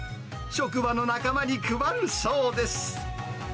職場の仲間に配るそうです。